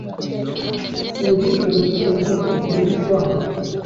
Uri Rukundo nturi Rwango